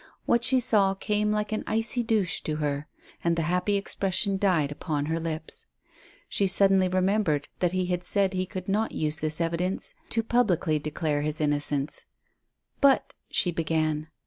What she saw came like an icy douche to her, and the happy expression died upon her lips. She suddenly remembered that he had said he could not use this evidence to publicly declare his innocence. "But " she began.